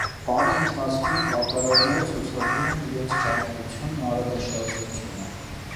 Պարի ընթացքում կատարողները ցուցադրում են իրենց ճարպկությունն ու արագաշարժությունը։